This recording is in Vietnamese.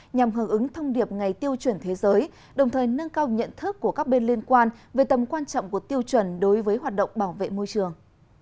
nhằm hợp ứng thông điệp ngày tiêu chuẩn thế giới đồng thời nâng cao nhận thức của các bên liên quan về tầm quan trọng của tiêu chuẩn đối với hoạt động bảo vệ môi trường